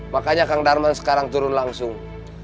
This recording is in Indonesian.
makanya kang darman sekarang turun langsung